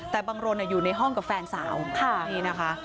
แต่บังรนอยู่ในห้องกับแฟนสาวนี่นะคะ